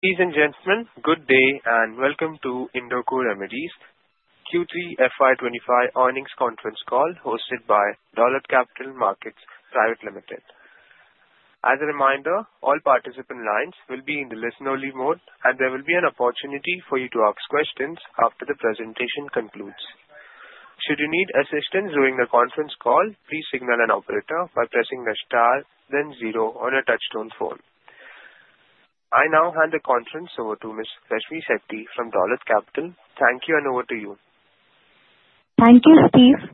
Ladies and gentlemen, good day and welcome to Indoco Remedies Q3 FY25 earnings conference call hosted by Dolat Capital Markets Private Limited. As a reminder, all participant lines will be in the listen-only mode, and there will be an opportunity for you to ask questions after the presentation concludes. Should you need assistance during the conference call, please signal an operator by pressing the star, then zero on your touch-tone phone. I now hand the conference over to Ms. Rashmmi Shetty from Dolat Capital. Thank you, and over to you. Thank you, Steve.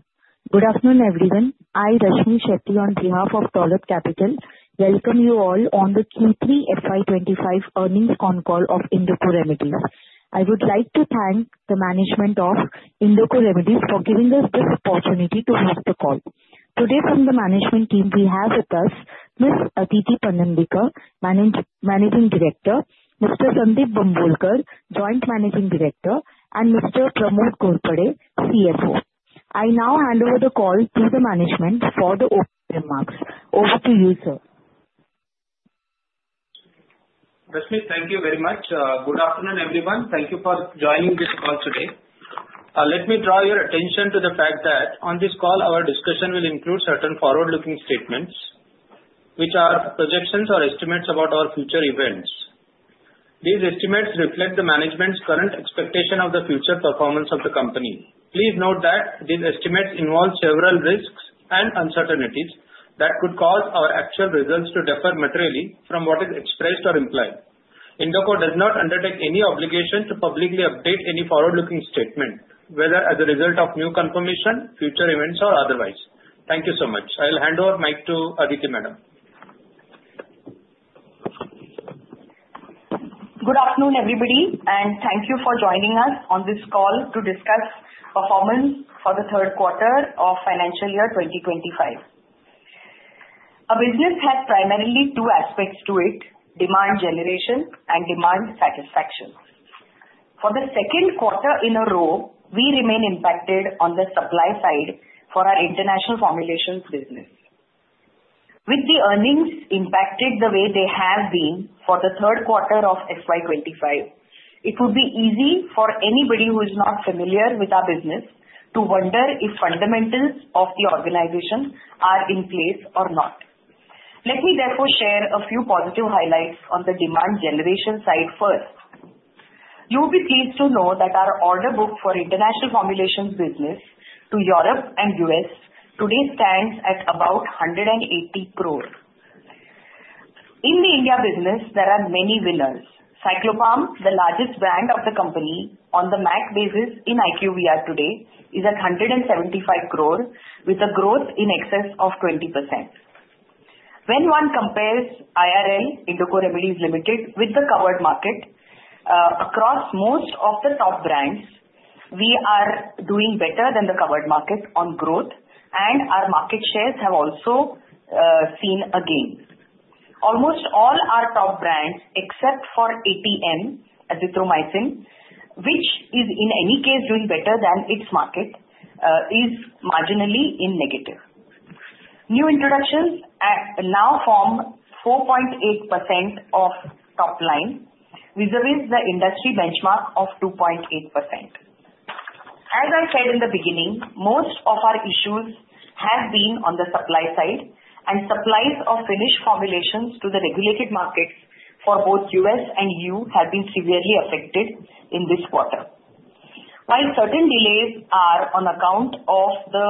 Good afternoon, everyone. I'm Rashmmi Shetty on behalf of Dolat Capital. Welcome you all on the Q3 FY25 earnings con call of Indoco Remedies. I would like to thank the management of Indoco Remedies for giving us this opportunity to host the call. Today, from the management team, we have with us Ms. Aditi Panandikar, Managing Director; Mr. Sundeep Bambolkar, Joint Managing Director; and Mr. Pramod Ghorpade, CFO. I now hand over the call to the management for the opening remarks. Over to you, sir. Rashmi, thank you very much. Good afternoon, everyone. Thank you for joining this call today. Let me draw your attention to the fact that on this call, our discussion will include certain forward-looking statements, which are projections or estimates about our future events. These estimates reflect the management's current expectation of the future performance of the company. Please note that these estimates involve several risks and uncertainties that could cause our actual results to differ materially from what is expressed or implied. Indoco does not undertake any obligation to publicly update any forward-looking statement, whether as a result of new confirmation, future events, or otherwise. Thank you so much. I'll hand over the mic to Aditi Madam. Good afternoon, everybody, and thank you for joining us on this call to discuss performance for the third quarter of financial year 2025. A business has primarily two aspects to it: demand generation and demand satisfaction. For the second quarter in a row, we remain impacted on the supply side for our international formulations business. With the earnings impacted the way they have been for the third quarter of FY25, it would be easy for anybody who is not familiar with our business to wonder if fundamentals of the organization are in place or not. Let me therefore share a few positive highlights on the demand generation side first. You'll be pleased to know that our order book for international formulations business to Europe and U.S. today stands at about 180 crore. In the India business, there are many winners. Cyclopam, the largest brand of the company, on the MAC basis in IQVIA today, is at 175 crore, with a growth in excess of 20%. When one compares IRL Indoco Remedies Limited with the covered market, across most of the top brands, we are doing better than the covered market on growth, and our market shares have also seen a gain. Almost all our top brands, except for ATM, azithromycin, which is in any case doing better than its market, is marginally in negative. New introductions now form 4.8% of top line, vis-à-vis the industry benchmark of 2.8%. As I said in the beginning, most of our issues have been on the supply side, and supplies of finished formulations to the regulated markets for both U.S. and EU have been severely affected in this quarter. While certain delays are on account of the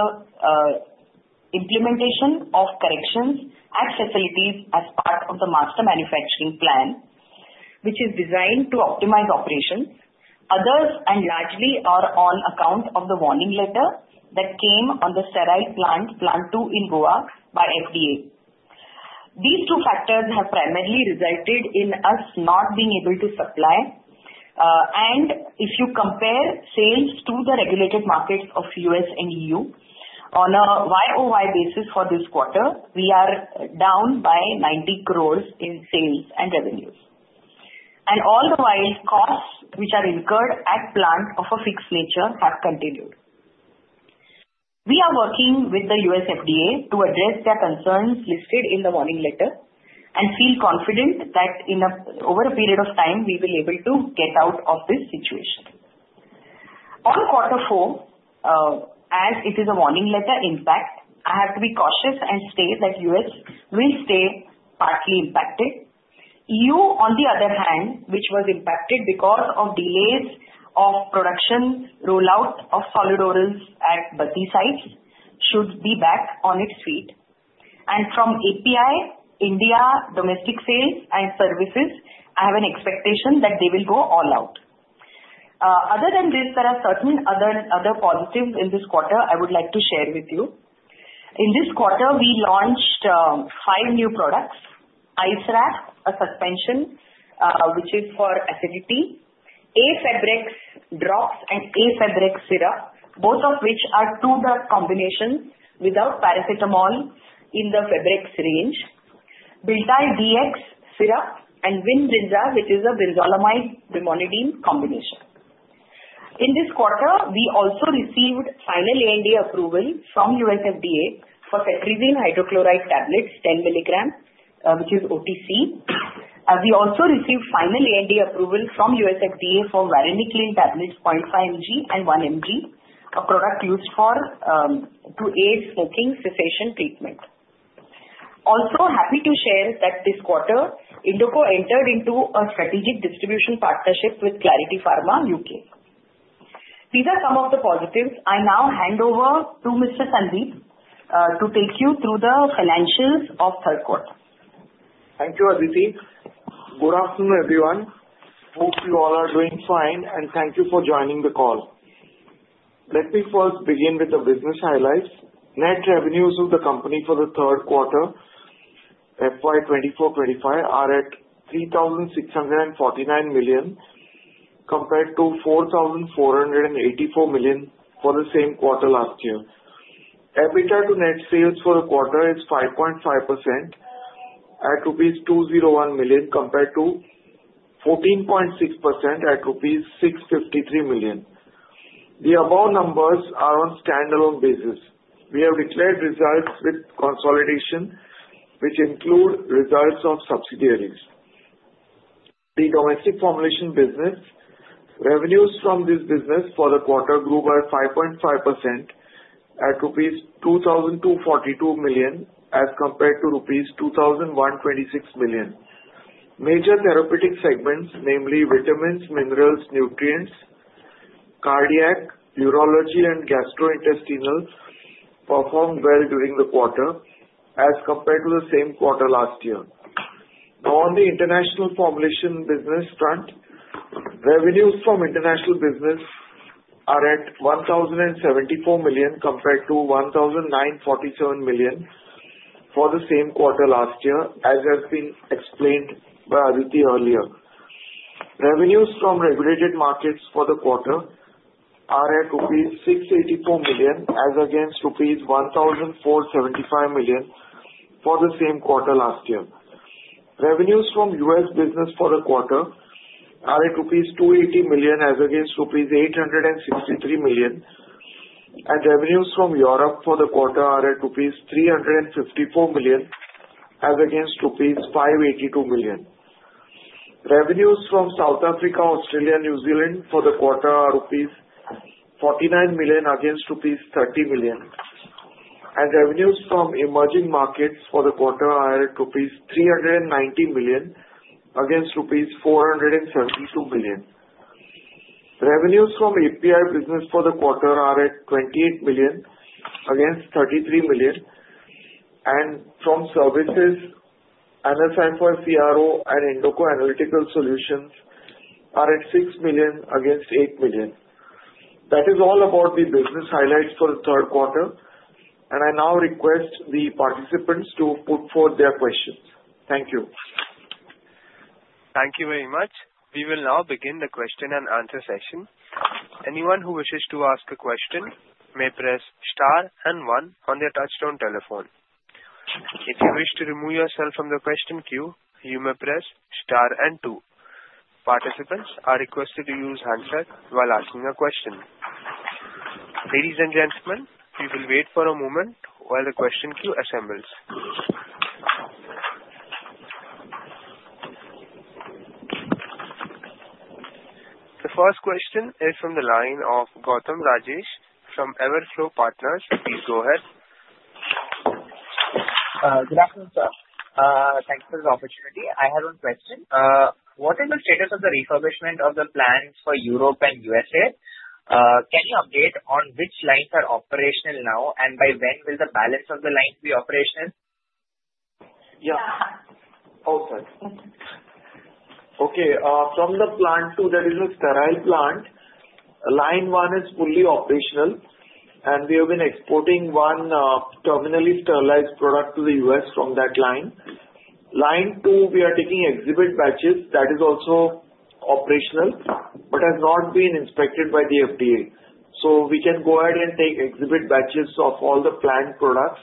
implementation of corrections at facilities as part of the master manufacturing plan, which is designed to optimize operations, others and largely are on account of the warning letter that came on the sterile plant, plant two in Goa by FDA. These two factors have primarily resulted in us not being able to supply, and if you compare sales to the regulated markets of U.S. and EU, on a YOY basis for this quarter, we are down by 90 crores in sales and revenues, and all the while, costs which are incurred at plant of a fixed nature have continued. We are working with the U.S. FDA to address their concerns listed in the warning letter and feel confident that over a period of time, we will be able to get out of this situation. On quarter four, as it is a Warning Letter impact, I have to be cautious and state that U.S. will stay partly impacted. EU, on the other hand, which was impacted because of delays of production rollout of solid orals at Baddi sites, should be back on its feet, and from API, India, domestic sales and services, I have an expectation that they will go all out. Other than this, there are certain other positives in this quarter I would like to share with you. In this quarter, we launched five new products: Icewrap, a suspension which is for acidity, A-Febrex drops, and A-Febrex syrup, both of which are two drug combinations without paracetamol in the Febrex range, Bital DX syrup, and Brinza, which is a brinzolamide-brimonidine combination. In this quarter, we also received final ANDA approval from U.S. FDA for Cetirizine Hydrochloride Tablets, 10 milligrams, which is OTC. We also received final ANDA approval from USFDA for Varenicline Tablets, 0.5 mg and 1 mg, a product used to aid smoking cessation treatment. Also, happy to share that this quarter, Indoco entered into a strategic distribution partnership with Clarity Pharma U.K. These are some of the positives. I now hand over to Mr. Sundeep to take you through the financials of third quarter. Thank you, Aditi. Good afternoon, everyone. Hope you all are doing fine, and thank you for joining the call. Let me first begin with the business highlights. Net revenues of the company for the third quarter, FY 2024-25, are at 3,649 million compared to 4,484 million for the same quarter last year. EBITDA to net sales for the quarter is 5.5% at rupees 201 million compared to 14.6% at rupees 653 million. The above numbers are on standalone basis. We have declared results with consolidation, which include results of subsidiaries. The domestic formulation business revenues from this business for the quarter grew by 5.5% at rupees 2,242 million as compared to rupees 2,126 million. Major therapeutic segments, namely vitamins, minerals, nutrients, cardiac, urology, and gastrointestinal, performed well during the quarter as compared to the same quarter last year. On the international formulation business front, revenues from international business are at 1,074 million compared to 1,947 million for the same quarter last year, as has been explained by Aditi earlier. Revenues from regulated markets for the quarter are at rupees 684 million, as against rupees 1,475 million for the same quarter last year. Revenues from US business for the quarter are at rupees 280 million, as against rupees 863 million, and revenues from Europe for the quarter are at rupees 354 million, as against rupees 582 million. Revenues from South Africa, Australia, and New Zealand for the quarter are rupees 49 million, against rupees 30 million. And revenues from emerging markets for the quarter are at rupees 390 million, against rupees 472 million. Revenues from API business for the quarter are at 28 million, against 33 million. From services, AnaCipher CRO and Indoco Analytical Solutions are at six million, against eight million. That is all about the business highlights for the third quarter, and I now request the participants to put forth their questions. Thank you. Thank you very much. We will now begin the question and answer session. Anyone who wishes to ask a question may press star and one on their touch-tone telephone. If you wish to remove yourself from the question queue, you may press star and two. Participants are requested to use handsets while asking a question. Ladies and gentlemen, we will wait for a moment while the question queue assembles. The first question is from the line of Gautam Rajesh from Everflow Partners. Please go ahead. Good afternoon, sir. Thank you for the opportunity. I have one question. What is the status of the refurbishment of the plants for Europe and USA? Can you update on which lines are operational now, and by when will the balance of the lines be operational? Yeah. Oh, sorry. Okay. From the Plant II, that is a Sterile plant. Line one is fully operational, and we have been exporting one terminally sterilized product to the U.S. from that line. Line two, we are taking exhibit batches that are also operational but have not been inspected by the FDA. So we can go ahead and take exhibit batches of all the plant products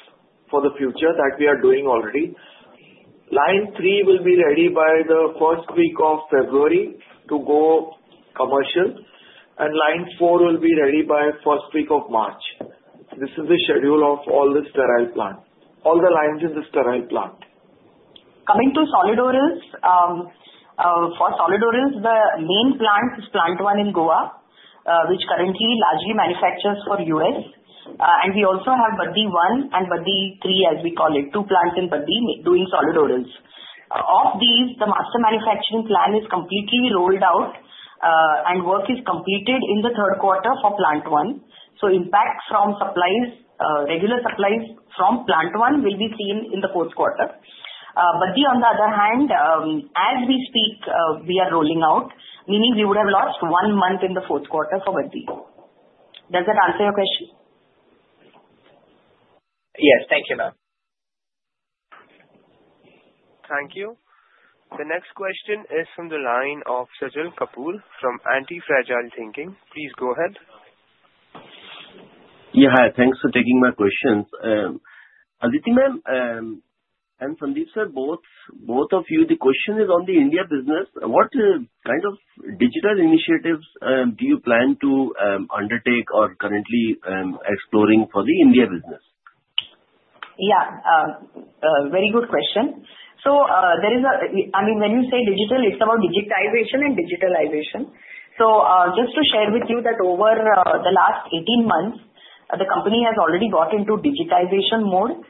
for the future that we are doing already. Line three will be ready by the first week of February to go commercial, and line four will be ready by the first week of March. This is the schedule of all the Sterile plant, all the lines in the Sterile plant. Coming to solid orals, for solid orals, the main plant is plant one in Goa, which currently largely manufactures for U.S. And we also have Baddi one and Baddi three, as we call it, two plants in Baddi doing solid orals. Of these, the master manufacturing plan is completely rolled out, and work is completed in the third quarter for plant one. So impact from supplies, regular supplies from plant one, will be seen in the fourth quarter. Baddi, on the other hand, as we speak, we are rolling out, meaning we would have lost one month in the fourth quarter for Baddi. Does that answer your question? Yes. Thank you, ma'am. Thank you. The next question is from the line of Sajal Kapoor from Antifragile Thinking. Please go ahead. Yeah. Thanks for taking my questions. Aditi ma'am and Sundeep sir, both of you, the question is on the India business. What kind of digital initiatives do you plan to undertake or currently exploring for the India business? Yeah. Very good question. So there is a, I mean, when you say digital, it's about digitization and digitalization. So just to share with you that over the last 18 months, the company has already got into digitization mode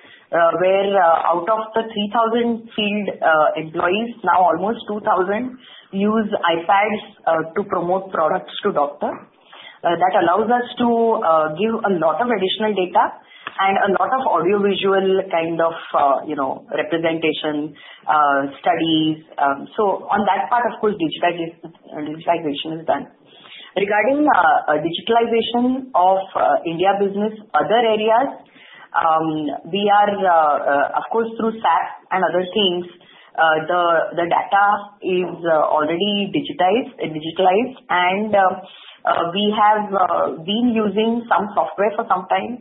where out of the 3,000 field employees, now almost 2,000 use iPads to promote products to doctors. That allows us to give a lot of additional data and a lot of audiovisual kind of representation studies. So on that part, of course, digitization is done. Regarding digitalization of India business, other areas, we are, of course, through SAP and other teams, the data is already digitized, and we have been using some software for some time,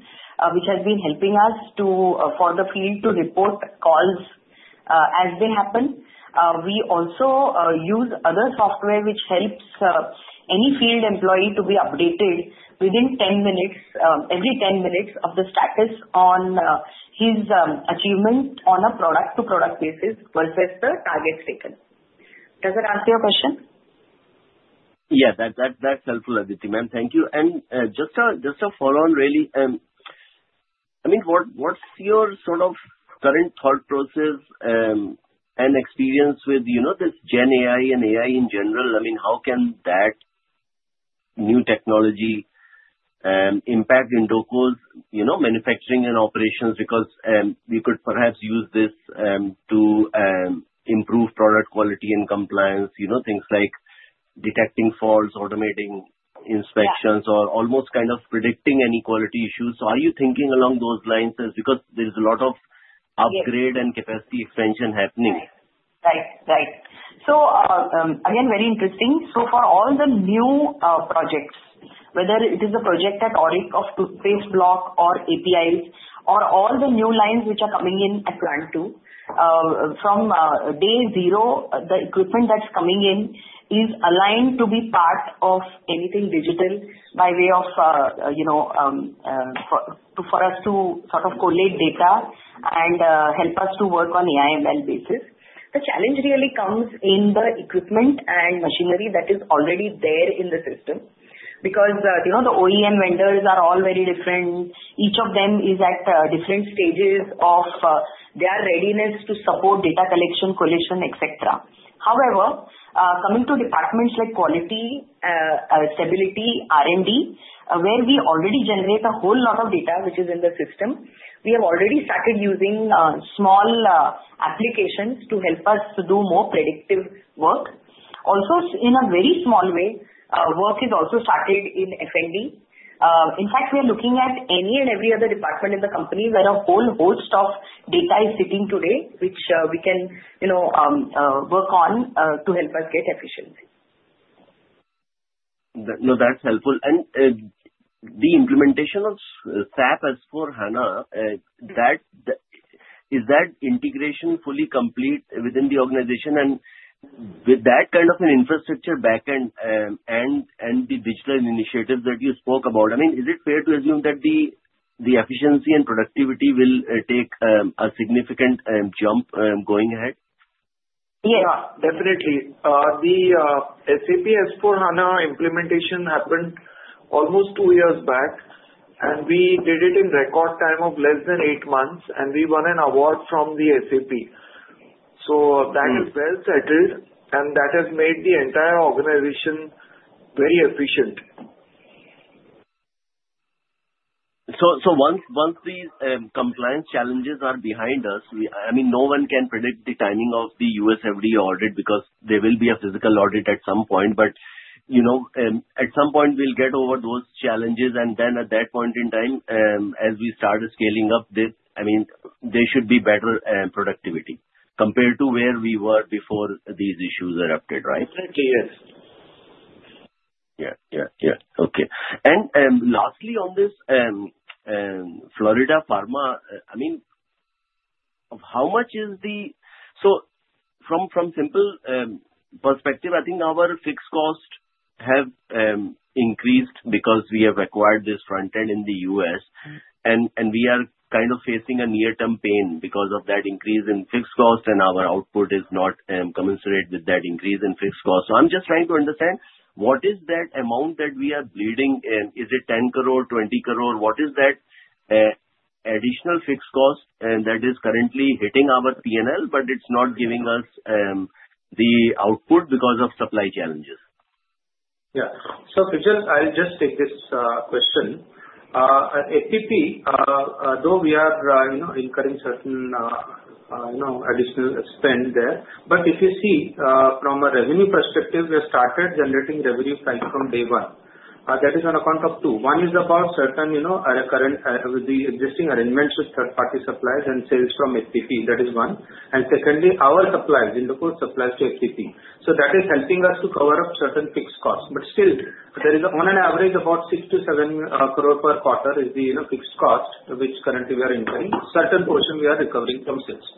which has been helping us for the field to report calls as they happen. We also use other software which helps any field employee to be updated within 10 minutes, every 10 minutes, of the status on his achievement on a product-to-product basis versus the target taken. Does that answer your question? Yeah. That's helpful, Aditi ma'am. Thank you. And just a follow-on, really. I mean, what's your sort of current thought process and experience with this Gen AI and AI in general? I mean, how can that new technology impact Indoco's manufacturing and operations? Because we could perhaps use this to improve product quality and compliance, things like detecting faults, automating inspections, or almost kind of predicting any quality issues. So are you thinking along those lines because there's a lot of upgrade and capacity expansion happening? Right. Right. So again, very interesting. So for all the new projects, whether it is a project at Auric of toothpaste block or APIs or all the new lines which are coming in at plant two, from day zero, the equipment that's coming in is aligned to be part of anything digital by way of for us to sort of collate data and help us to work on AI/ML basis. The challenge really comes in the equipment and machinery that is already there in the system because the OEM vendors are all very different. Each of them is at different stages of their readiness to support data collection, collation, etc. However, coming to departments like quality, stability, R&D, where we already generate a whole lot of data which is in the system, we have already started using small applications to help us to do more predictive work. Also, in a very small way, work is also started in F&B. In fact, we are looking at any and every other department in the company where a whole host of data is sitting today, which we can work on to help us get efficiency. No, that's helpful. And the implementation of SAP S/4HANA, is that integration fully complete within the organization? And with that kind of an infrastructure backend and the digital initiatives that you spoke about, I mean, is it fair to assume that the efficiency and productivity will take a significant jump going ahead? Yeah. Definitely. The SAP S/4HANA implementation happened almost two years back, and we did it in record time of less than eight months, and we won an award from the SAP. So that is well settled, and that has made the entire organization very efficient. So once these compliance challenges are behind us, I mean, no one can predict the timing of the US FDA audit because there will be a physical audit at some point. But at some point, we'll get over those challenges, and then at that point in time, as we start scaling up, I mean, there should be better productivity compared to where we were before these issues erupted, right? Definitely, yes. Yeah. Yeah. Yeah. Okay. And lastly on this, Florida Pharma, I mean, how much is the loss from a simple perspective? I think our fixed costs have increased because we have acquired this front end in the US, and we are kind of facing a near-term pain because of that increase in fixed costs, and our output is not commensurate with that increase in fixed costs. So I'm just trying to understand what is that amount that we are bleeding? Is it 10 crore, 20 crore? What is that additional fixed cost that is currently hitting our P&L, but it's not giving us the output because of supply challenges? Yeah. So I'll just take this question. FPP, though we are incurring certain additional expense there, but if you see from a revenue perspective, we have started generating revenue from day one. That is on account of two. One is about certain current existing arrangements with third-party suppliers and sales from FPP. That is one. And secondly, our supplies, Indoco's supplies to FPP. So that is helping us to cover up certain fixed costs. But still, there is on an average about 6-7 crore per quarter is the fixed cost which currently we are incurring. Certain portion we are recovering from sales.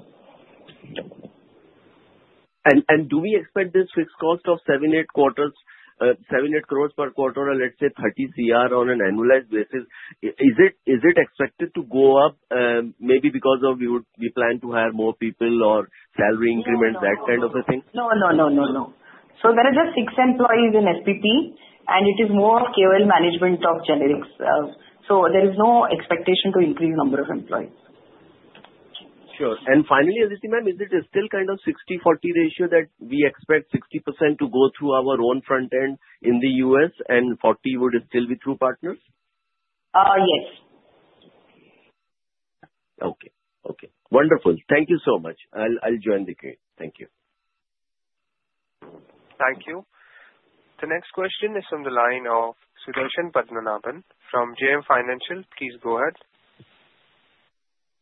Do we expect this fixed cost of 7-8 crore per quarter or, let's say, 30 crore on an annualized basis? Is it expected to go up maybe because we would be planning to hire more people or salary increments, that kind of a thing? No, no, no, no, no. So there are just six employees in FPP, and it is more of KOL management of generics. So there is no expectation to increase number of employees. Sure. And finally, Aditi ma'am, is it still kind of 60/40 ratio that we expect 60% to go through our own front end in the U.S. and 40 would still be through partners? Yes. Okay. Okay. Wonderful. Thank you so much. I'll join the queue. Thank you. Thank you. The next question is from the line of Sudarshan Padmanabhan from JM Financial. Please go ahead.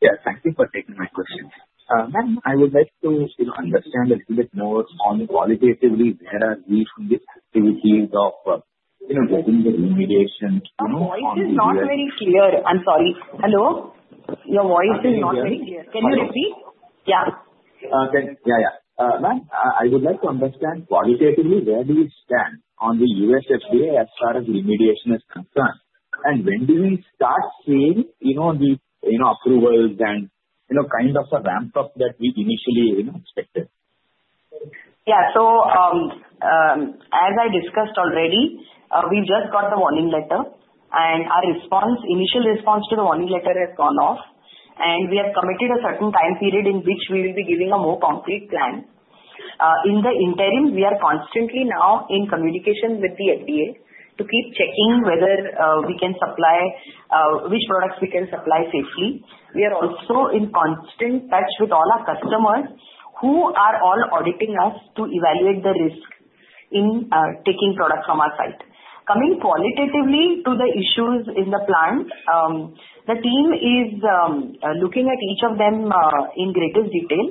Yes. Thank you for taking my questions. Ma'am, I would like to understand a little bit more on qualitatively where are we from this activity of getting the remediation? Your voice is not very clear. I'm sorry. Hello? Your voice is not very clear. Can you repeat? Yeah. Thank you. Yeah, yeah. Ma'am, I would like to understand qualitatively where do we stand on the USFDA as far as remediation is concerned? And when do we start seeing the approvals and kind of a ramp-up that we initially expected? Yeah, so as I discussed already, we just got the Warning Letter, and our initial response to the Warning Letter has gone off, and we have committed a certain time period in which we will be giving a more concrete plan. In the interim, we are constantly now in communication with the FDA to keep checking whether we can supply which products we can supply safely. We are also in constant touch with all our customers who are all auditing us to evaluate the risk in taking products from our site. Coming qualitatively to the issues in the plant, the team is looking at each of them in greatest detail,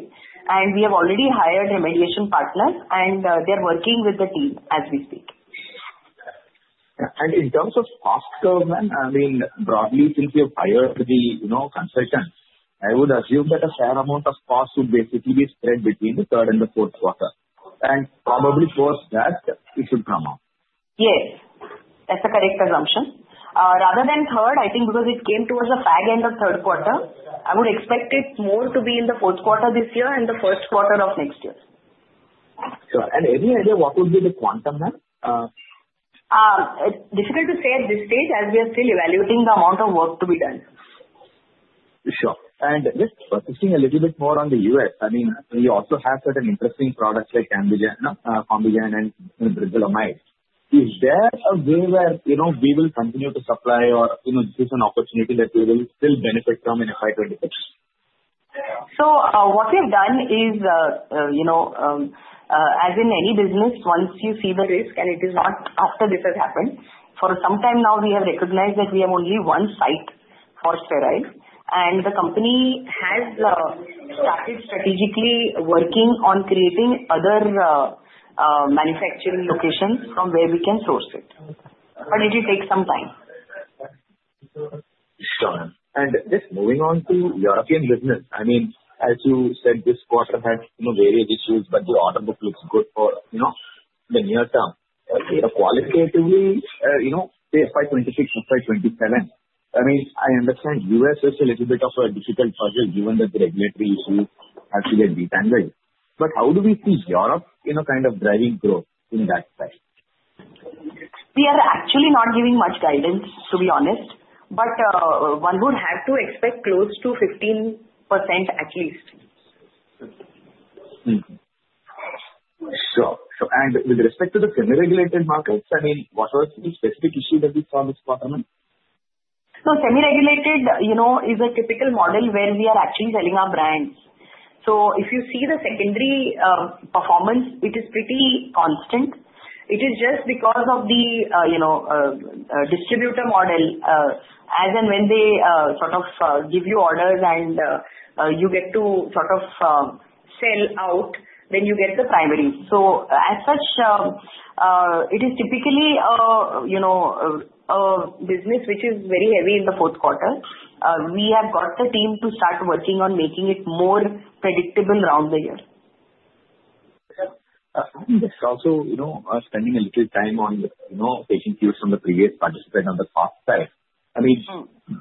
and we have already hired remediation partners, and they are working with the team as we speak. In terms of cost curve, ma'am, I mean, broadly, since you've hired the consultants, I would assume that a fair amount of cost would basically be spread between the third and the fourth quarter. Probably towards that, it should come out. Yes. That's a correct assumption. Rather than third, I think because it came towards the fag end of third quarter, I would expect it more to be in the fourth quarter this year and the first quarter of next year. Sure. And any idea what would be the quantum, ma'am? Difficult to say at this stage as we are still evaluating the amount of work to be done. Sure. And just focusing a little bit more on the U.S., I mean, we also have certain interesting products like Combigan and Brinzolamide. Is there a way where we will continue to supply or this is an opportunity that we will still benefit from in FY26? What we've done is, as in any business, once you see the risk and it is not after this has happened, for some time now, we have recognized that we have only one site for steroids, and the company has started strategically working on creating other manufacturing locations from where we can source it, but it will take some time. Sure. And just moving on to European business, I mean, as you said, this quarter had various issues, but the outlook looks good for the near term. Qualitatively, FY26 and FY27, I mean, I understand US is a little bit of a difficult puzzle given that the regulatory issues have to get untangled. But how do we see Europe kind of driving growth in that space? We are actually not giving much guidance, to be honest, but one would have to expect close to 15% at least. Sure. And with respect to the semi-regulated markets, I mean, what was the specific issue that you saw this quarter, ma'am? So semi-regulated is a typical model where we are actually selling our brands. So if you see the secondary performance, it is pretty constant. It is just because of the distributor model, as in when they sort of give you orders and you get to sort of sell out, then you get the primary. So as such, it is typically a business which is very heavy in the fourth quarter. We have got the team to start working on making it more predictable around the year. Yes. Also, spending a little time on taking cues from the previous participants on the cost side. I mean,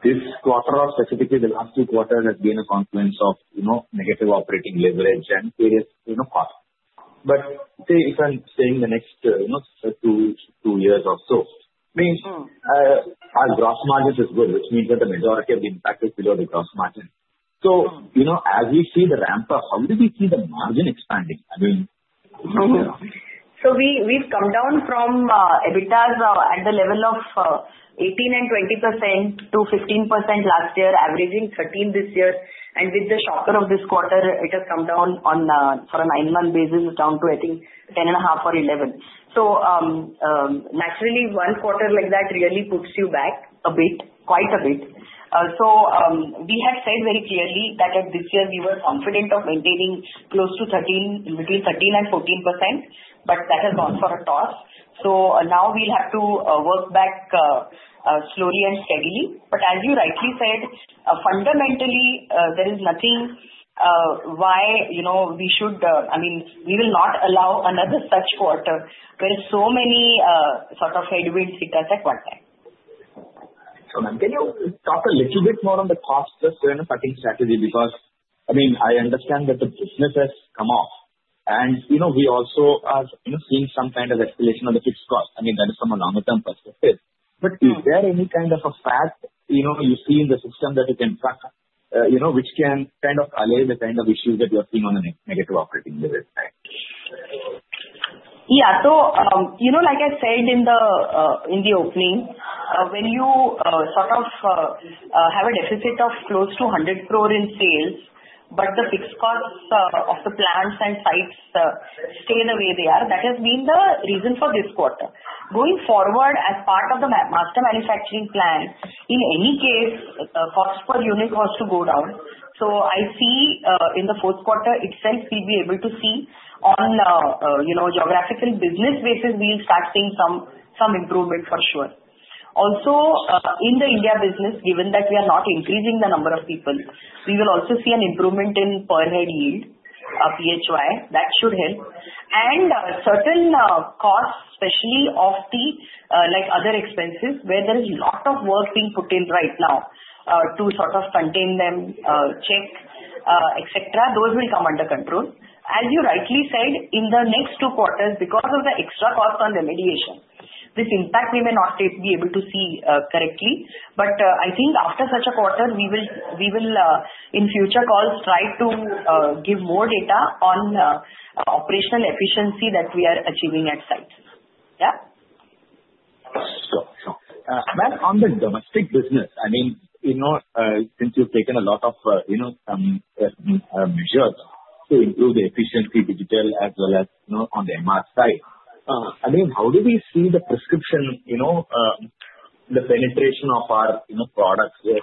this quarter, specifically the last two quarters, has been a confluence of negative operating leverage and various costs. But say, if I'm saying the next two years or so, I mean, our gross margin is good, which means that the majority of the impact is below the gross margin. So as we see the ramp-up, how do we see the margin expanding? I mean. So we've come down from EBITDA at the level of 18% and 20% to 15% last year, averaging 13% this year. And with the shocker of this quarter, it has come down on a nine-month basis down to, I think, 10.5 or 11. So naturally, one quarter like that really puts you back a bit, quite a bit. So we have said very clearly that this year we were confident of maintaining close to 13%, between 13% and 14%, but that has gone for a toss. So now we'll have to work back slowly and steadily. But as you rightly said, fundamentally, there is nothing why we should, I mean, we will not allow another such quarter where so many sort of headwinds hit us at one time. So ma'am, can you talk a little bit more on the cost cutting strategy? Because, I mean, I understand that the business has come off, and we also are seeing some kind of escalation on the fixed cost. I mean, that is from a longer-term perspective. But is there any kind of a fact you see in the system that you can track which can kind of allay the kind of issues that you are seeing on the negative operating leverage side? Yeah. So like I said in the opening, when you sort of have a deficit of close to 100 crore in sales, but the fixed costs of the plants and sites stay the way they are, that has been the reason for this quarter. Going forward, as part of the master manufacturing plan, in any case, the cost per unit was to go down. So I see in the fourth quarter itself, we'll be able to see on geographical business basis, we'll start seeing some improvement for sure. Also, in the India business, given that we are not increasing the number of people, we will also see an improvement in per head yield, PHY. That should help, and certain costs, especially of the other expenses where there is a lot of work being put in right now to sort of contain them, check, etc., those will come under control. As you rightly said, in the next two quarters, because of the extra cost on remediation, this impact we may not be able to see correctly. But I think after such a quarter, we will, in future calls, try to give more data on operational efficiency that we are achieving at sites. Yeah. Sure. Sure. Ma'am, on the domestic business, I mean, since you've taken a lot of measures to improve the efficiency digital as well as on the MR side, I mean, how do we see the prescription, the penetration of our products, the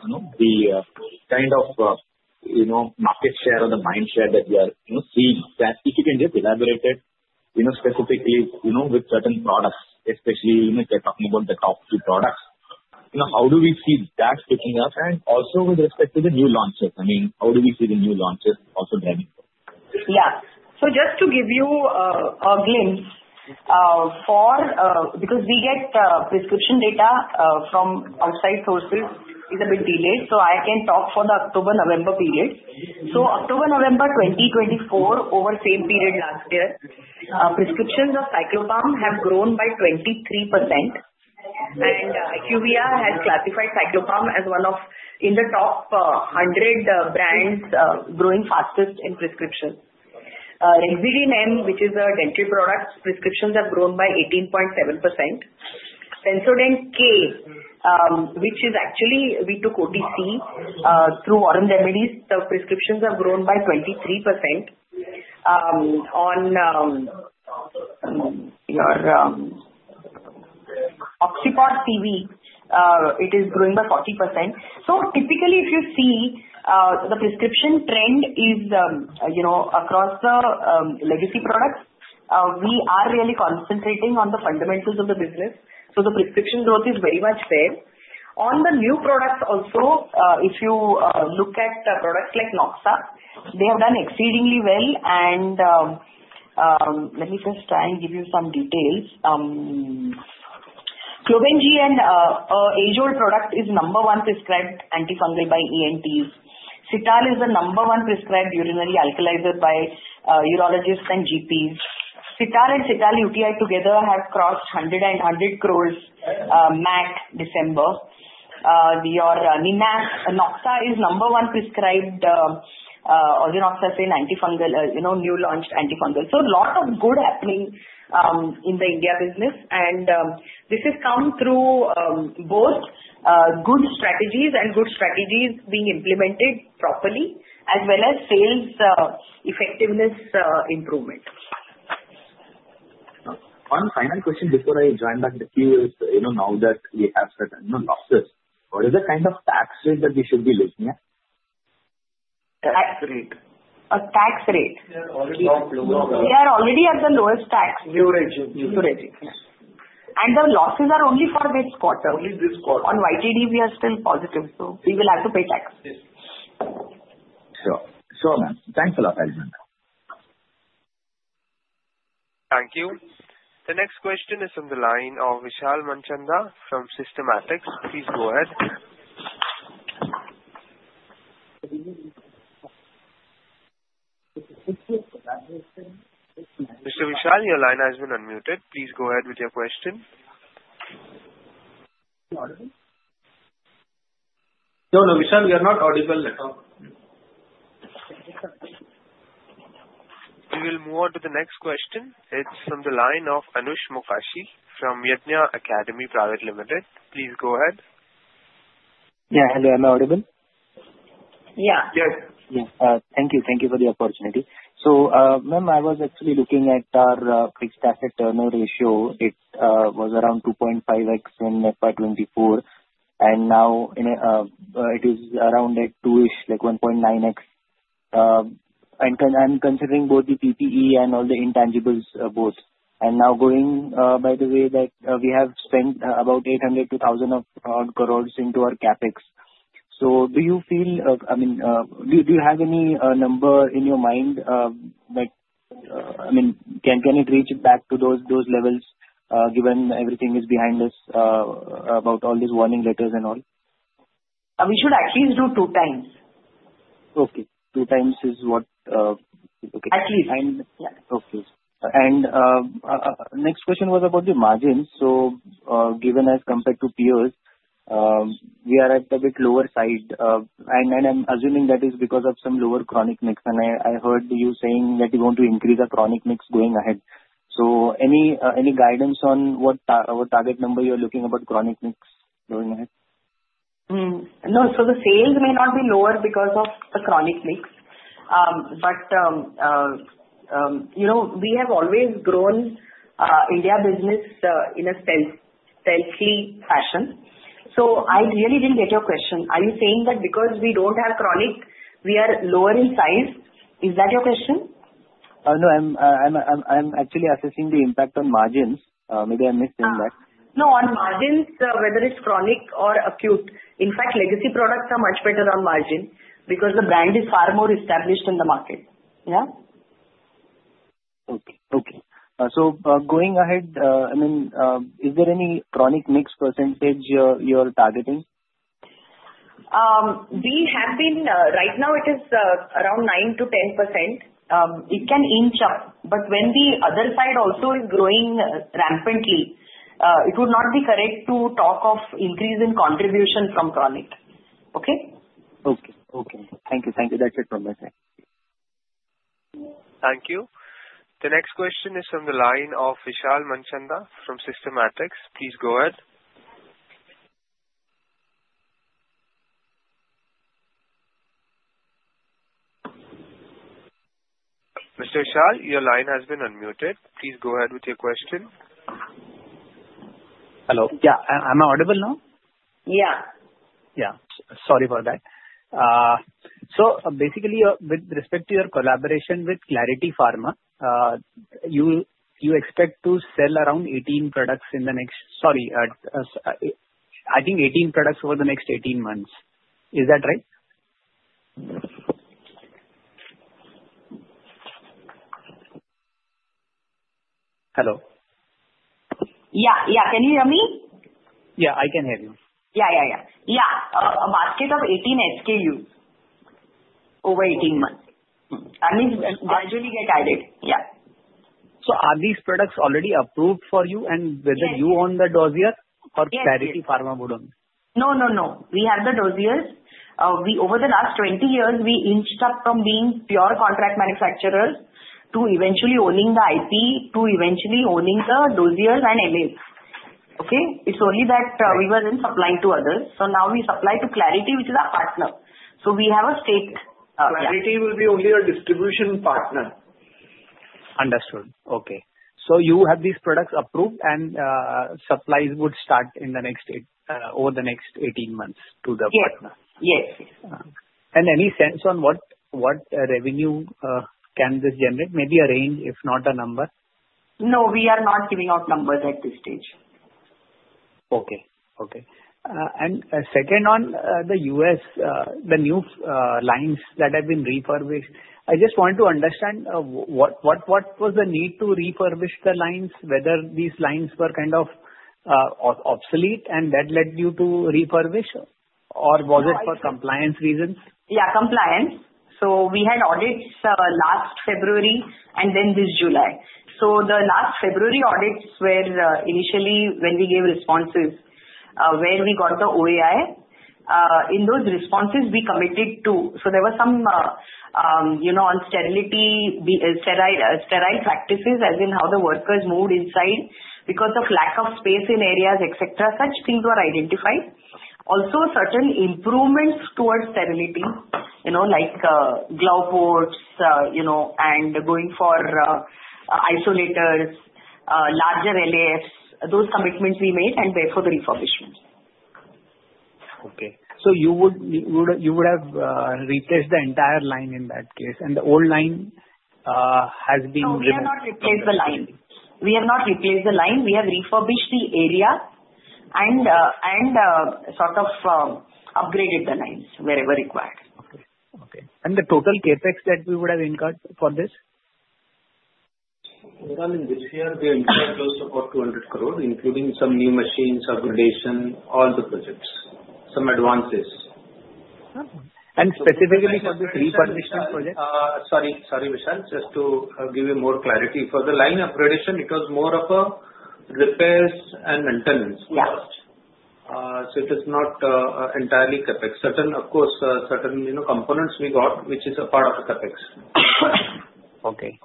kind of market share or the mind share that we are seeing? If you can just elaborate it specifically with certain products, especially if you're talking about the top two products, how do we see that picking up? And also with respect to the new launches, I mean, how do we see the new launches also driving? Yeah. So just to give you a glimpse, because we get prescription data from outside sources, it's a bit delayed. So I can talk for the October-November period. So October-November 2024, over the same period last year, prescriptions of Cyclopam have grown by 23%. And IQVIA has classified Cyclopam as one of the top 100 brands growing fastest in prescription. Rexidin M, which is a dental product, prescriptions have grown by 18.7%. Sensodent K, which is actually we took OTC through Warren Remedies, the prescriptions have grown by 23%. On Oxipod, it is growing by 40%. So typically, if you see the prescription trend is across the legacy products, we are really concentrating on the fundamentals of the business. So the prescription growth is very much there. On the new products also, if you look at products like Noxa, they have done exceedingly well. And let me just try and give you some details. Cloben-G and an age-old product is number one prescribed antifungal by ENTs. Cital is the number one prescribed urinary alkalizer by urologists and GPs. Cital and Cital-UTI together have crossed 100 crore and 100 crore MAC December. Noxa is number one prescribed Ozenoxacin antifungal, new launched antifungal. So a lot of good happening in the India business. And this has come through both good strategies and good strategies being implemented properly, as well as sales effectiveness improvement. One final question before I join back with you is, now that we have said losses, what is the kind of tax rate that we should be looking at? Tax rate. We are already at the lowest tax. Leverage. Leverage. And the losses are only for this quarter. On YTD, we are still positive, so we will have to pay tax. Sure. Sure, ma'am. Thanks a lot, Aditi. Thank you. The next question is from the line of Vishal Manchanda from Systematix. Please go ahead. Mr. Vishal, your line has been unmuted. Please go ahead with your question. No, no. Vishal, we are not audible. We will move on to the next question. It's from the line of Anush Mokashi from Yadnya Academy Private Limited. Please go ahead. Yeah. Hello. Am I audible? Yeah. Yes. Yes. Thank you. Thank you for the opportunity. So ma'am, I was actually looking at our fixed asset turnover ratio. It was around 2.5x in FY24. And now it is around at 2-ish, like 1.9x. And I'm considering both the PPE and all the intangibles both. And now going by the way that we have spent about 800-1,000 crores into our CapEx. So do you feel, I mean, do you have any number in your mind that, I mean, can it reach back to those levels given everything is behind us about all these warning letters and all? We should at least do two times. Okay. Two times is what? At least. Okay. And next question was about the margins. So given as compared to peers, we are at a bit lower side. And I'm assuming that is because of some lower chronic mix. And I heard you saying that you're going to increase the chronic mix going ahead. So any guidance on what target number you are looking about chronic mix going ahead? No. So the sales may not be lower because of the chronic mix. But we have always grown India business in a stealthy fashion. So I really didn't get your question. Are you saying that because we don't have chronic, we are lower in size? Is that your question? No. I'm actually assessing the impact on margins. Maybe I'm missing that. No. On margins, whether it's chronic or acute. In fact, legacy products are much better on margin because the brand is far more established in the market. Yeah. Okay. So going ahead, I mean, is there any chronic mix percentage you are targeting? Right now, it is around 9%-10%. It can inch up. But when the other side also is growing rampantly, it would not be correct to talk of increase in contribution from chronic. Okay? Okay. Thank you. That's it from my side. Thank you. The next question is from the line of Vishal Manchanda from Systematix. Please go ahead. Mr. Vishal, your line has been unmuted. Please go ahead with your question. Hello. Yeah. Am I audible now? Yeah. Yeah. Sorry for that. So basically, with respect to your collaboration with Clarity Pharma, you expect to sell around 18 products in the next, sorry, I think 18 products over the next 18 months. Is that right? Hello. Yeah. Yeah. Can you hear me? Yeah. I can hear you. Yeah. A basket of 18 SKUs over 18 months. That means gradually get added. Yeah. So are these products already approved for you? And whether you own the dossier or Clarity Pharma would own? No. No. No. We have the dose yields. Over the last 20 years, we inched up from being pure contract manufacturers to eventually owning the IP, to eventually owning the dose yields and MAs. Okay? It's only that we were then supplying to others. So now we supply to Clarity, which is our partner. So we have a state. Clarity will be only a distribution partner. Understood. Okay. So you have these products approved, and supplies would start in the next 18 months to the partner. Yes. Yes. Any sense on what revenue can this generate? Maybe a range, if not a number. No. We are not giving out numbers at this stage. Okay. Okay. And second on the U.S., the new lines that have been refurbished, I just want to understand what was the need to refurbish the lines, whether these lines were kind of obsolete and that led you to refurbish, or was it for compliance reasons? Yeah. Compliance. So we had audits last February and then this July. So the last February audits were initially when we gave responses where we got the OAI. In those responses, we committed to so there were some unsterile practices, as in how the workers moved inside because of lack of space in areas, etc. Such things were identified. Also, certain improvements towards sterility, like glove boards and going for isolators, larger LAFs, those commitments we made and went for the refurbishment. Okay. So you would have replaced the entire line in that case. And the old line has been removed. No. We have not replaced the line. We have not replaced the line. We have refurbished the area and sort of upgraded the lines wherever required. Okay. Okay. And the total CapEx that you would have incurred for this? Ma'am, in this year, we have incurred close to about 200 crore, including some new machines, upgradation, all the projects, some advances. Specifically for the refurbishment project? Sorry. Sorry, Vishal. Just to give you more clarity. For the line upgradation, it was more of a repairs and maintenance cost. So it is not entirely CapEx. Of course, certain components we got, which is a part of the CapEx. Okay.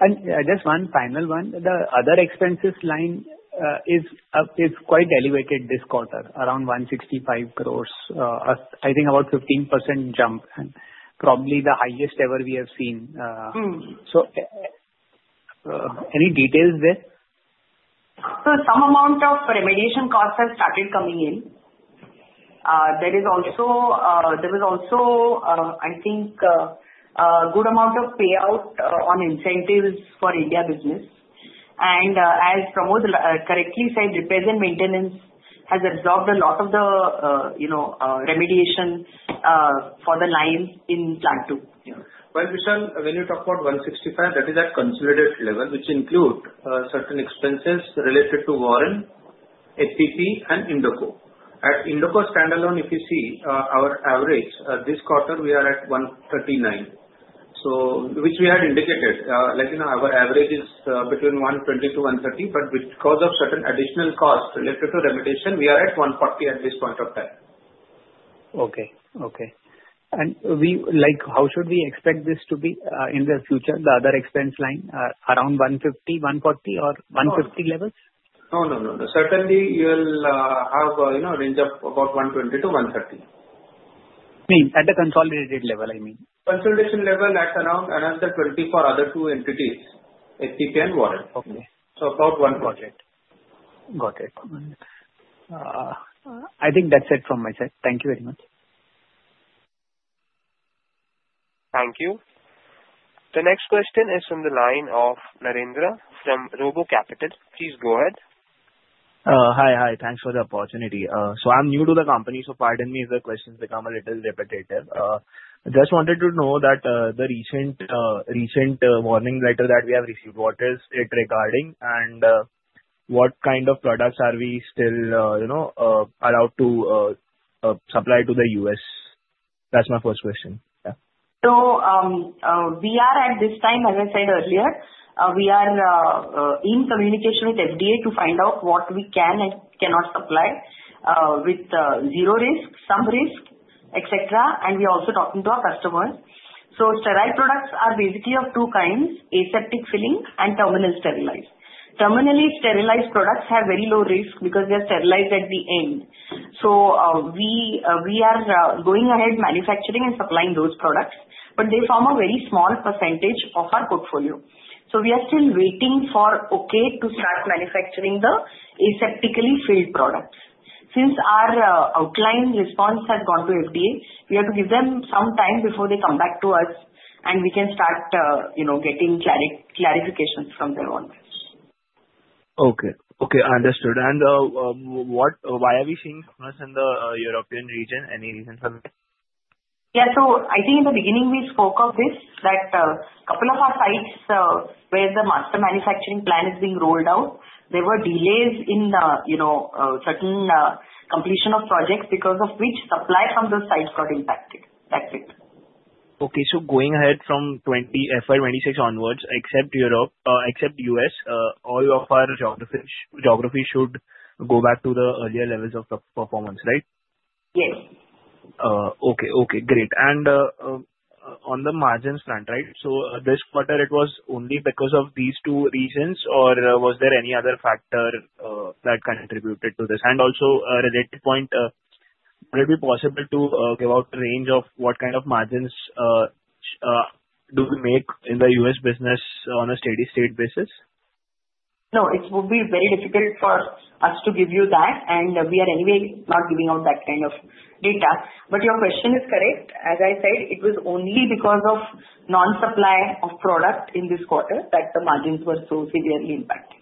And just one final one. The other expenses line is quite elevated this quarter, around 165 crores. I think about 15% jump, probably the highest ever we have seen. So any details there? Some amount of remediation costs have started coming in. There is also, there was also, I think, a good amount of payout on incentives for India business. And as Pramod correctly said, repairs and maintenance has absorbed a lot of the remediation for the line in Plant 2. Vishal, when you talk about 165, that is at consolidated level, which includes certain expenses related to Warren, FPP, and Indoco. At Indoco standalone, if you see our average, this quarter, we are at 139, which we had indicated. Our average is between 120 to 130. But because of certain additional costs related to remediation, we are at 140 at this point of time. Okay. Okay. And how should we expect this to be in the future, the other expense line, around 150, 140, or 150 levels? No. No. No. No. Certainly, you will have a range of about 120-130. Meaning at the consolidated level, I mean. Consolidation level at around another 20 for other two entities, FPP and Warren. So about 140. Got it. I think that's it from my side. Thank you very much. Thank you. The next question is from the line of Narendra from RoboCapital. Please go ahead. Hi. Thanks for the opportunity, so I'm new to the company, so pardon me if the questions become a little repetitive. I just wanted to know that the recent Warning Letter that we have received, what is it regarding, and what kind of products are we still allowed to supply to the U.S.? That's my first question. Yeah. So we are, at this time, as I said earlier, we are in communication with FDA to find out what we can and cannot supply with zero risk, some risk, etc. And we are also talking to our customers. So sterile products are basically of two kinds: aseptic filling and terminally sterilized. Terminally sterilized products have very low risk because they are sterilized at the end. So we are going ahead manufacturing and supplying those products, but they form a very small percentage of our portfolio. So we are still waiting for OK to start manufacturing the aseptically filled products. Since our outline response has gone to FDA, we have to give them some time before they come back to us, and we can start getting clarification from their owners. Okay. Okay. Understood. And why are we seeing problems in the European region? Any reason for that? Yeah. So I think in the beginning, we spoke of this, that a couple of our sites where the master manufacturing plan is being rolled out, there were delays in certain completion of projects because of which supply from those sites got impacted. That's it. Okay, so going ahead from FY26 onwards, except U.S., all of our geography should go back to the earlier levels of performance, right? Yes. Okay. Okay. Great. And on the margins front, right, so this quarter, it was only because of these two reasons, or was there any other factor that contributed to this? And also, related point, would it be possible to give out a range of what kind of margins do we make in the U.S. business on a steady-state basis? No. It would be very difficult for us to give you that, and we are anyway not giving out that kind of data, but your question is correct. As I said, it was only because of non-supply of product in this quarter that the margins were so severely impacted.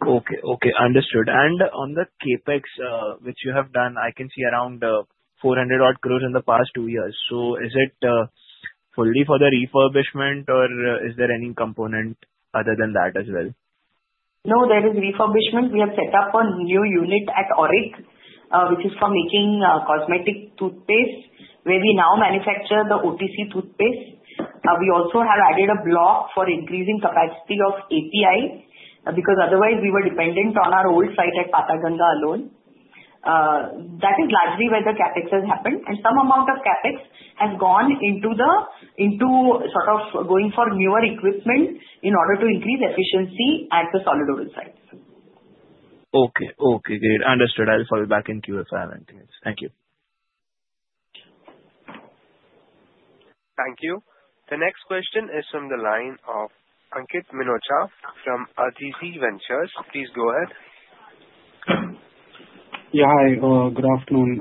Okay. Okay. Understood, and on the CapEx, which you have done, I can see around 400-odd crores in the past two years, so is it fully for the refurbishment, or is there any component other than that as well? No. There is refurbishment. We have set up a new unit at Auric, which is for making cosmetic toothpaste, where we now manufacture the OTC toothpaste. We also have added a block for increasing capacity of API because otherwise, we were dependent on our old site at Patalganga alone. That is largely where the CapEx has happened. And some amount of CapEx has gone into sort of going for newer equipment in order to increase efficiency at the solid oral sites. Okay. Okay. Great. Understood. I'll follow up with you if I have anything else. Thank you. Thank you. The next question is from the line of Ankit Minocha from RTC Ventures. Please go ahead. Yeah. Hi. Good afternoon.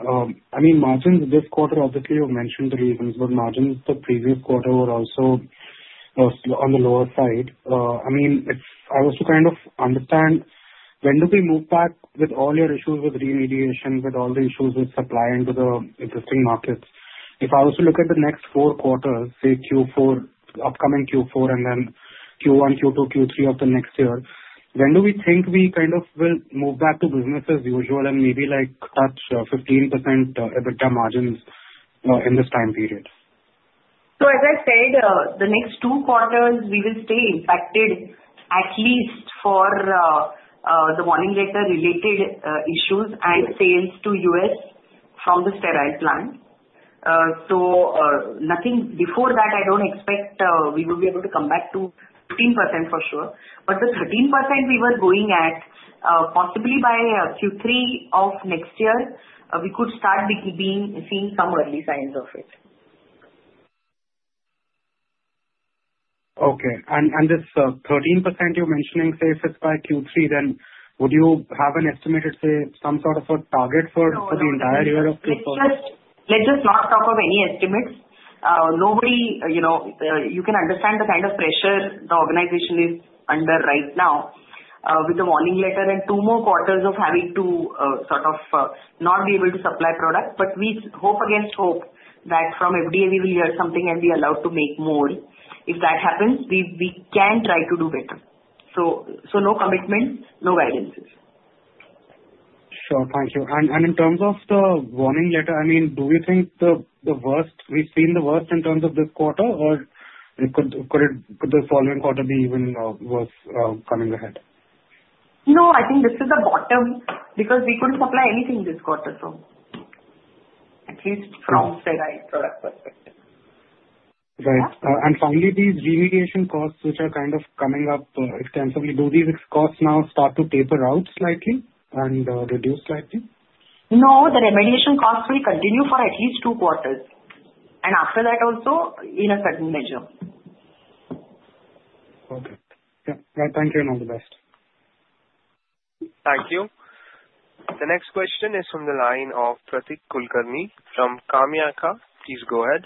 I mean, margins this quarter, obviously, you mentioned the reasons, but margins the previous quarter were also on the lower side. I mean, I want to kind of understand, when do we move back with all your issues with remediation, with all the issues with supply into the existing markets? If I want to look at the next four quarters, say Q4, upcoming Q4, and then Q1, Q2, Q3 of the next year, when do we think we kind of will move back to business as usual and maybe touch 15% EBITDA margins in this time period? So as I said, the next two quarters, we will stay impacted at least for the Warning Letter-related issues and sales to US from the Sterile Plant. So before that, I don't expect we will be able to come back to 15% for sure. But the 13% we were going at, possibly by Q3 of next year, we could start seeing some early signs of it. Okay, and this 13% you're mentioning, say, if it's by Q3, then would you have an estimated, say, some sort of a target for the entire year of Q4? Let's just not talk of any estimates. You can understand the kind of pressure the organization is under right now with the Warning Letter and two more quarters of having to sort of not be able to supply product. But we hope against hope that from FDA, we will hear something and be allowed to make more. If that happens, we can try to do better. So no commitment, no guidance. Sure. Thank you. And in terms of the Warning Letter, I mean, do we think the worst we've seen in terms of this quarter, or could the following quarter be even worse coming ahead? No. I think this is the bottom because we couldn't supply anything this quarter, so at least from a product perspective. Right. And finally, these remediation costs, which are kind of coming up extensively, do these costs now start to taper out slightly and reduce slightly? No. The remediation costs will continue for at least two quarters, and after that, also, in a certain measure. Okay. Yeah. Right. Thank you and all the best. Thank you. The next question is from the line of Pratik Kulkarni from KamayaKya. Please go ahead.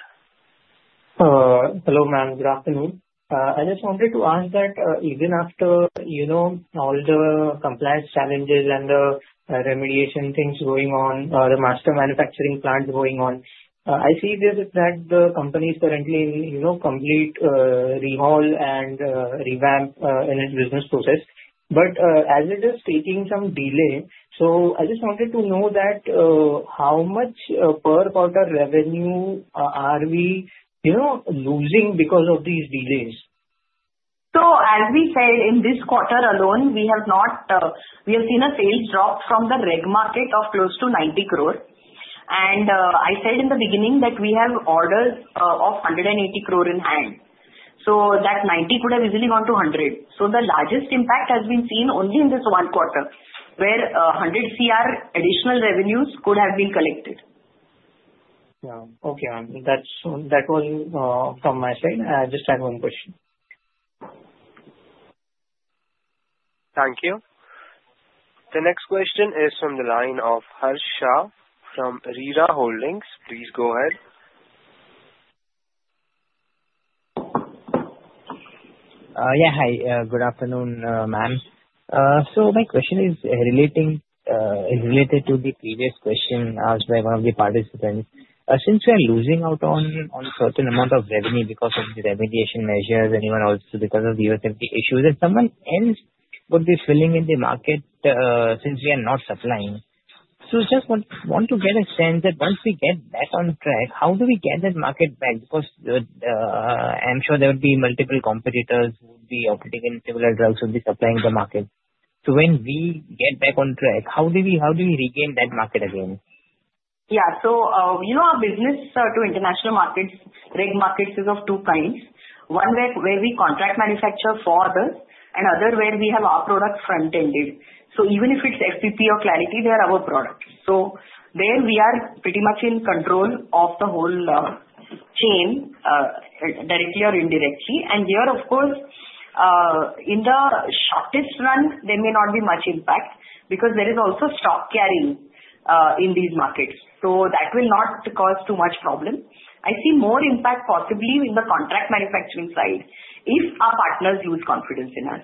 Hello, ma'am. Good afternoon. I just wanted to ask that even after all the compliance challenges and the remediation things going on, the Master Manufacturing Plan going on, I see that the company is currently in complete remodel and revamp in its business process. But as it is taking some delay, so I just wanted to know that how much per quarter revenue are we losing because of these delays? So as we said, in this quarter alone, we have seen a sales drop from the reg market of close to 90 crore. And I said in the beginning that we have orders of 180 crore in hand. So that 90 could have easily gone to 100. So the largest impact has been seen only in this one quarter, where 100 crore additional revenues could have been collected. Yeah. Okay. That was from my side. I just had one question. Thank you. The next question is from the line of Harsh Shah from Reera Holdings. Please go ahead. Yeah. Hi. Good afternoon, ma'am. So my question is related to the previous question asked by one of the participants. Since we are losing out on a certain amount of revenue because of the remediation measures and even also because of the USFDA issues, if someone else would be filling in the market since we are not supplying? So I just want to get a sense that once we get back on track, how do we get that market back? Because I'm sure there would be multiple competitors who would be operating in similar drugs who would be supplying the market. So when we get back on track, how do we regain that market again? Yeah. So our business to international markets, reg markets, is of two kinds. One where we contract manufacture for others and other where we have our product front-ended. So even if it's FPP or Clarity, they are our products. So there we are pretty much in control of the whole chain directly or indirectly. And here, of course, in the shortest run, there may not be much impact because there is also stock carry in these markets. So that will not cause too much problem. I see more impact possibly in the contract manufacturing side if our partners lose confidence in us,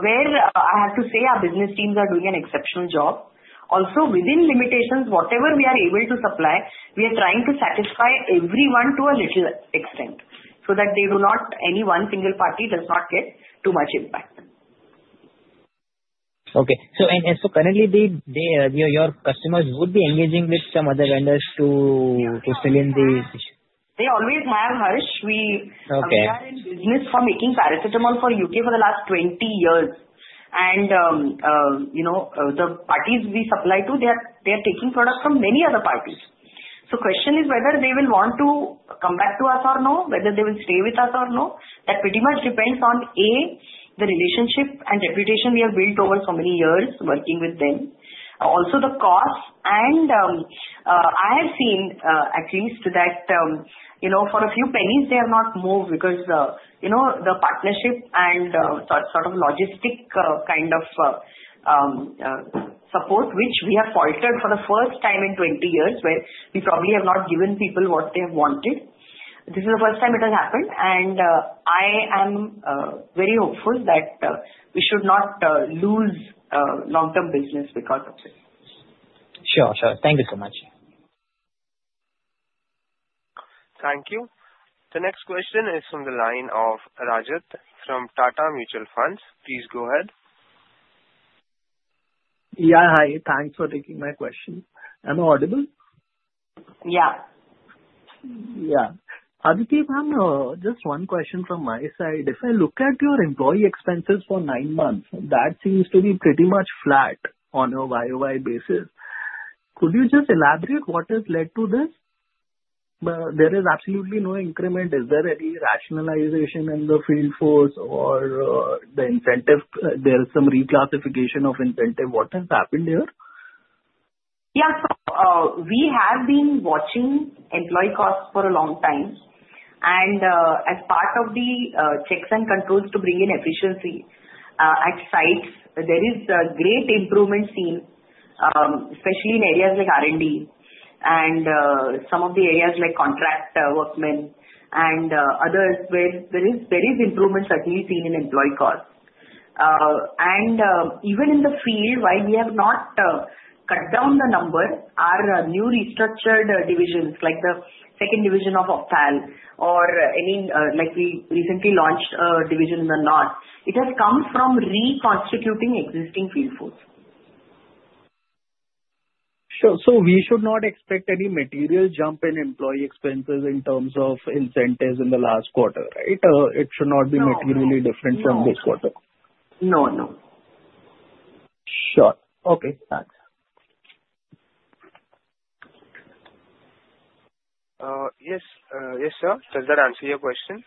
where I have to say our business teams are doing an exceptional job. Also, within limitations, whatever we are able to supply, we are trying to satisfy everyone to a little extent so that any one single party does not get too much impact. Okay. So currently, your customers would be engaging with some other vendors to fill in these? They always have, Harsh. We are in business for making paracetamol for U.K. for the last 20 years, and the parties we supply to, they are taking products from many other parties. So the question is whether they will want to come back to us or no, whether they will stay with us or no. That pretty much depends on, A, the relationship and reputation we have built over so many years working with them, also the cost, and I have seen, at least, that for a few pennies, they have not moved because the partnership and sort of logistic kind of support, which we have faltered for the first time in 20 years, where we probably have not given people what they have wanted. This is the first time it has happened, and I am very hopeful that we should not lose long-term business because of this. Sure. Sure. Thank you so much. Thank you. The next question is from the line of Rajith from Tata Mutual Funds. Please go ahead. Yeah. Hi. Thanks for taking my question. Am I audible? Yeah. Yeah. Aditi, ma'am, just one question from my side. If I look at your employee expenses for nine months, that seems to be pretty much flat on a YOY basis. Could you just elaborate what has led to this? There is absolutely no increment. Is there any rationalization in the field force or the incentive? There is some reclassification of incentive. What has happened here? Yeah. So we have been watching employee costs for a long time. And as part of the checks and controls to bring in efficiency at sites, there is a great improvement seen, especially in areas like R&D and some of the areas like contract workmen and others, where there is improvement certainly seen in employee costs. And even in the field, while we have not cut down the number, our new restructured divisions, like the second division of Ophthal or any we recently launched a division in the north, it has come from reconstituting existing field force. Sure. So we should not expect any material jump in employee expenses in terms of incentives in the last quarter, right? It should not be materially different from this quarter. No. No. Sure. Okay. Thanks. Yes. Yes, sir. Does that answer your question?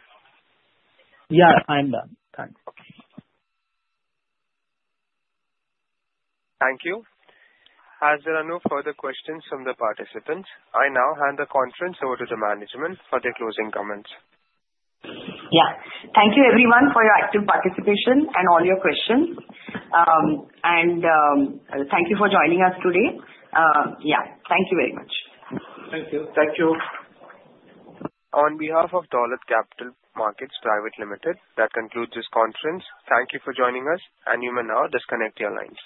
Yeah. I'm done. Thanks. Okay. Thank you. As there are no further questions from the participants, I now hand the conference over to the management for their closing comments. Thank you, everyone, for your active participation and all your questions, and thank you for joining us today. Thank you very much. Thank you. Thank you. On behalf of Dolat Capital Markets Private Limited, that concludes this conference. Thank you for joining us. You may now disconnect your lines.